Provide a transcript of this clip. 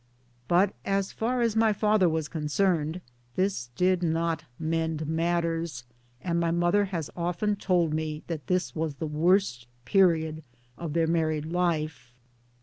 But as far as my father was concerned this did not mend matters, and my mother has often told me that this was the worst period of their married life.